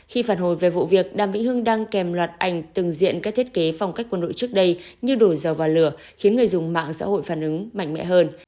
khi phản hồi về vụ việc đàm mỹ hưng đang kèm loạt ảnh từng diện các thiết kế phong cách quân đội trước đây như đổi rào và lửa khiến người dùng mạng xã hội phản ứng mạnh mẽ hơn